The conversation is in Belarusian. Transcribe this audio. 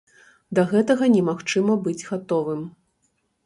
Да гэтага немагчыма быць гатовым.